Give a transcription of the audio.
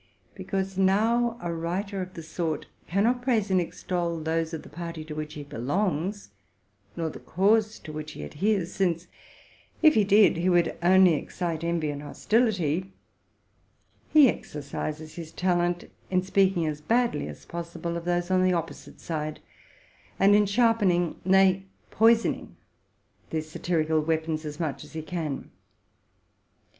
Now, because a writer of the sort cannot praise and extol those of the party to which he belongs, nor the cause to which he ad heres, since, if he did, he would only excite envy and hostil ity, he exercises his talent in speaking as badly as possible of those on the opposite side, and in sharpening, nay, poi soning, the satirical weapons as much as he can.